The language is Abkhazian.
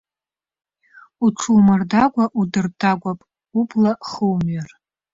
Уҽумырдагәа-удырдагәап, убла хумҩар.